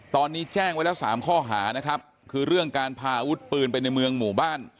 ตอนนี้แจ้งไว้แล้ว๓ข้อหานะครับคือเรื่องการพาอาวุธปืนไปในเมืองหมู่บ้าน